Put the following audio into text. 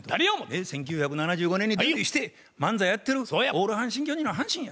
「１９７５年にデビューして漫才やってるオール阪神・巨人の阪神や。